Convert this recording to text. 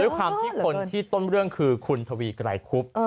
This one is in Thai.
ความที่คนที่ต้นเรื่องคือคุณทวีไกรคุบ